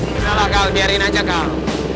bisa lah kal biarin aja kal